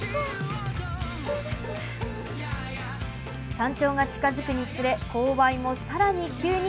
山頂が近づくにつれ勾配もさらに急に。